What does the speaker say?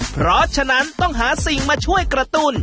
เพราะฉะนั้นต้องหาสิ่งมาช่วยกระตุ้น